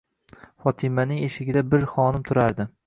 Fotymaning eshigida bir xonim turardi.